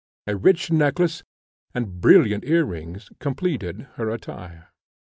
A rich necklace, and brilliant ear rings, completed her attire.